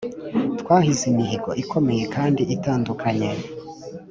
Twahize imihigo ikomeye kandi itandukanye